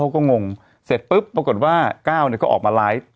ก็งงเสร็จปุ๊บปรากฏว่าก้าวก็ออกมาไลฟ์